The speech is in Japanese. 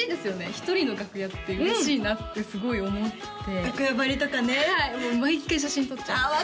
一人の楽屋って嬉しいなってすごい思って楽屋貼りとかねはい毎回写真撮っちゃいますああ